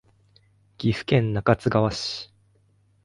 岐阜県中津川市